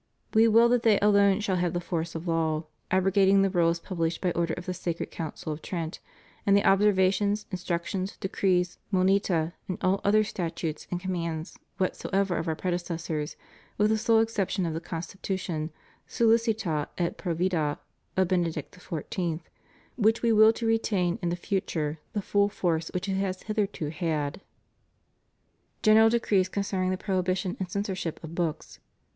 We will that they alone shall have the force of law, abrogating the rules published by order of the Sacred Council of Trent, and the Observations, Instructions, Decrees, Monita, and all other statutes and commands whatsoever of Our predecessors, with the sole exception of the Constitution Sollicita ei provida of Benedict XIV., which We will to retain in the future the Cull force which it has hitherto had. GENERAL DECREES CONCERNING THE PROHIBI TION AND CENSORSHIP OF BOOKS.